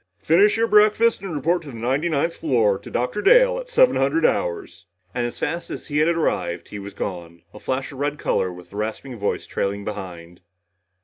Finish your breakfast and report to the ninety ninth floor to Dr. Dale at seven hundred hours!" And as fast as he had arrived, he was gone, a flash of red color with rasping voice trailing behind.